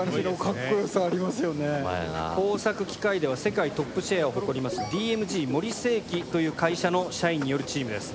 工作機械では世界トップシェアを誇ります「ＤＭＧ森精機」という会社の社員によるチームです。